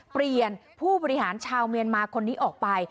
ผู้บริหารชาวเมียนมาคนนี้ออกไป